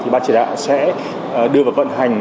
ban chỉ đạo sẽ đưa vào vận hành